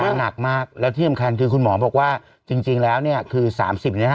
อาการหนักมากแล้วที่อำคัญคือคุณหมอบอกว่าจริงจริงแล้วเนี้ยคือสามสิบเนี้ย